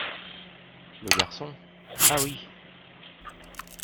Le Garçon. — Ah ! oui.